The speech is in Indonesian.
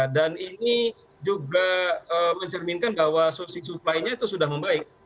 dan ini juga mencerminkan bahwa sosi supply nya itu sudah membaik